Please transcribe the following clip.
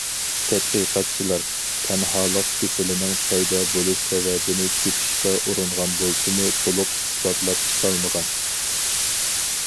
تەتقىقاتچىلار تەنھالىق كېسىلىنىڭ پەيدا بولۇش سەۋەبىنى تېپىشقا ئۇرۇنغان بولسىمۇ، تولۇق ئىسپاتلاپ چىقالمىغان.